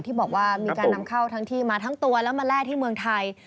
ที่บอกว่ามีการนำเข้าทั้งที่มาทั้งตัวแล้วมาแล่ที่เมืองไทย